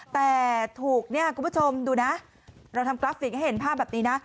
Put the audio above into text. แต่ถูกเนี่ยคุณผู้ชมดูนะเราทำกราฟิกให้เห็นภาพแบบนี้นะ